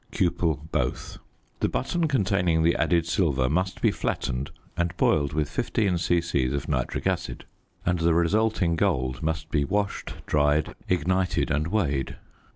Cupel both. The button containing the added silver must be flattened and boiled with 15 c.c. of nitric acid; and the resulting gold must be washed, dried, ignited and weighed.